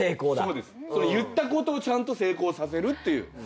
言ったことをちゃんと成功させるっていう。